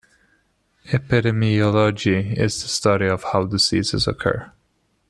Epidemiology is the study of how diseases occur.